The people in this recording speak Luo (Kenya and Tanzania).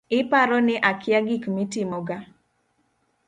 Iparo ni akia gik mitimoga